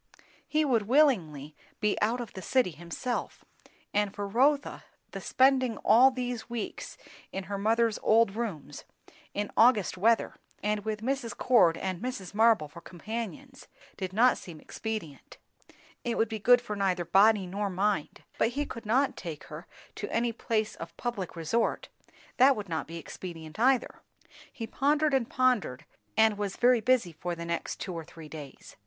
He would willingly be out of the city himself; and for Rotha, the spending all these weeks in her mother's old rooms, in August weather, and with Mrs. Cord and Mrs. Marble for companions, did not seem expedient. It would be good for neither body nor mind. But he could not take her to any place of public resort; that would not be expedient either. He pondered and pondered, and was very busy for the next two or three days.